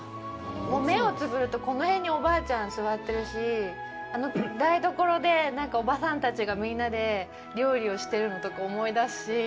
目をつむると、この辺におばあちゃん、座ってるし台所で、おばさんたちがみんなで料理をしてるのとか思い出すし